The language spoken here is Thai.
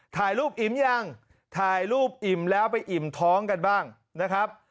ถ่ายรูปอิ่มยังถ่ายรูปอิ่มแล้วไปอิ่มท้องกันบ้างนะครับ